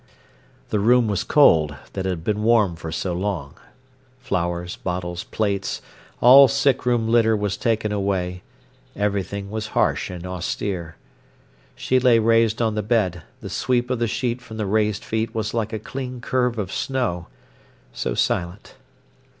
The room was cold, that had been warm for so long. Flowers, bottles, plates, all sick room litter was taken away; everything was harsh and austere. She lay raised on the bed, the sweep of the sheet from the raised feet was like a clean curve of snow, so silent.